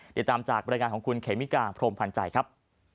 เดี๋ยวตามจากบริการของคุณเคมิกาพรมพันธ์ใจครับ